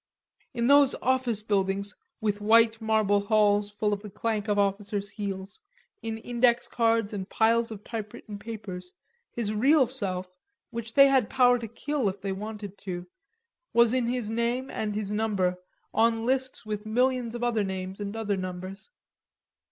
In those office buildings, with white marble halls full of the clank of officers' heels, in index cards and piles of typewritten papers, his real self, which they had power to kill if they wanted to, was in his name and his number, on lists with millions of other names and other numbers.